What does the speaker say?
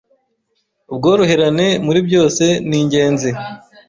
Ubworoherane muri byose ningenzi